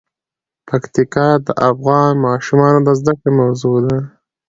پکتیکا د افغان ماشومانو د زده کړې موضوع ده.